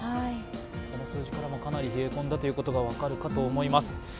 この数字からも、かなり冷え込んだということが分かると思います。